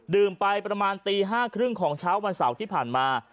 ไปประมาณตี๕๓๐ของเช้าวันเสาร์ที่ผ่านมา